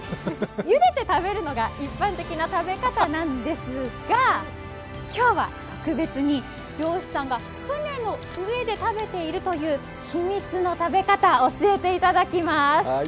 ゆでて食べるのが一般的な食べ方なんですが今日は特別に漁師さんが船の上で食べているという秘密の食べ方を教えていただきます。